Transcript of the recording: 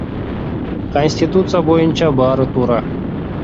Конституция боюнча баары туура.